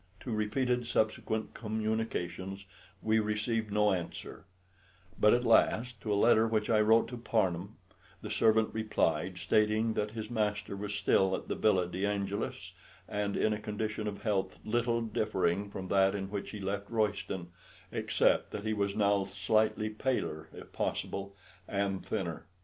To repeated subsequent communications we received no answer; but at last, to a letter which I wrote to Parnham, the servant replied, stating that his master was still at the Villa de Angelis, and in a condition of health little differing from that in which he left Royston, except that he was now slightly paler if possible and thinner.